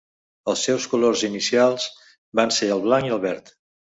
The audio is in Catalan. Els seus colors inicials van ser el blanc i el verd.